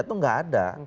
itu tidak ada